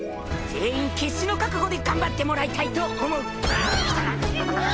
全員決死の覚悟で頑張ってもらいたいと思う。